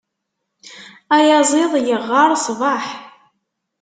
Ayaziḍ yeɣɣar ṣṣbeḥ.